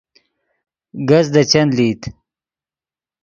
کز دے چند لئیت